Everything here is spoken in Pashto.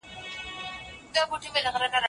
خپل مالونه په ناحقه مه خورئ.